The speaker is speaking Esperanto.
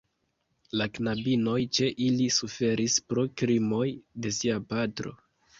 La knabinoj ĉe ili suferis pro krimoj de sia patro.